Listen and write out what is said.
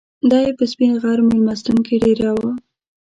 دای په سپین غر میلمستون کې دېره و.